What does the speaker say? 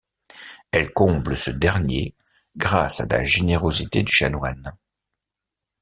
Elle comble ce dernier grâce à la générosité du chanoine.